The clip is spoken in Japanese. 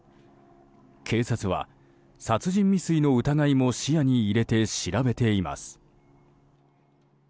警察は、殺人未遂の疑いも視野に入れて調べています。